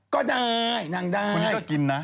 ก็ได้นั่งได้คนนี้ก็กินนะ